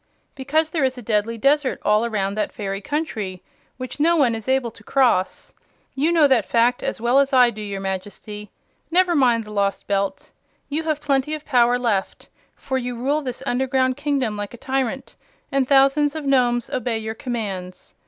"Because there is a deadly desert all around that fairy country, which no one is able to cross. You know that fact as well as I do, your Majesty. Never mind the lost Belt. You have plenty of power left, for you rule this underground kingdom like a tyrant, and thousands of Nomes obey your commands.